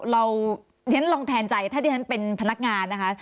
อย่างนั้นลองแทนใจถ้าอย่างนั้นเป็นพนักงานนะคะ